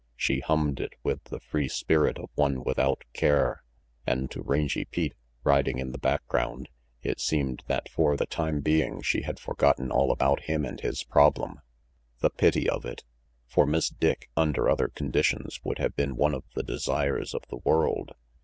She hummed it with the free spirit of one without care, and to Rangy Pete, riding in the background, it seemed that for the 312 RANGY PETE time being she had forgotten all about him and his problem. The pity of it! For Miss Dick, under other con ditions, could have been one of the desires of the world.